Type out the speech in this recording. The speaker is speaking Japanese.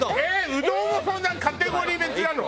うどんもそんなカテゴリー別なの？